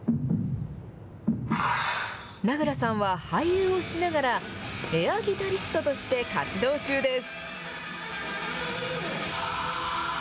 名倉さんは俳優をしながら、エアギタリストとして活動中です。